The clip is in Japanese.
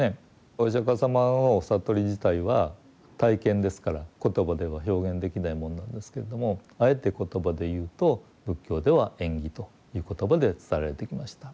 お釈迦様の悟り自体は体験ですから言葉では表現できないものなんですけれどもあえて言葉で言うと仏教では縁起という言葉で伝えられてきました。